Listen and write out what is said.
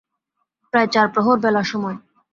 প্রায় চার প্রহর বেলার সময়।